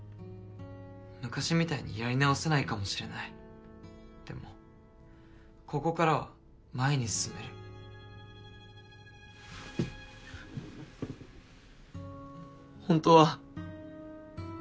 ・昔みたいにやり直せないかもしれない・・でもここからは前に進める・ホントは。